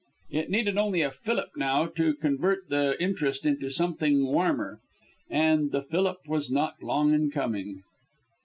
It needed only a fillip now to convert that interest into something warmer; and the fillip was not long in coming.